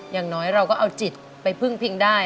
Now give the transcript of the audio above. อย่างน้อยเราก็เอาจิตไปพึ่งพิงได้